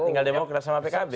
tinggal demokrat sama pkb